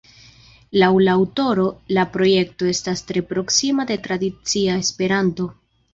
Laŭ la aŭtoro, la projekto estas tre proksima de tradicia Esperanto.